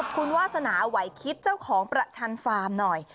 คุณวาสนาไหวคิดเจ้าของประชันฟาร์มหน่อย